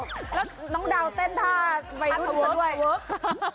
แล้วน้องดาวเต้นท่าวัยรุ่นส่วนด้วยฮะเธอเวิร์กเธอเวิร์ก